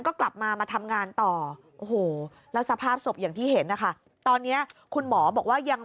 ก็กลับมามาทำงานต่อโอ้โหแล้วสภาพศพอย่างที่เห็นนะคะตอนนี้คุณหมอบอกว่ายัง